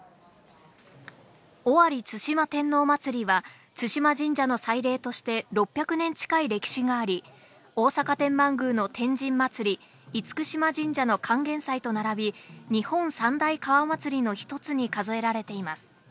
尾張津島天王祭は津島神社の祭礼として６００年近い歴史があり、大阪天満宮の天神祭、厳島神社の管絃祭と並び、日本三大川祭りの１つに数えられています。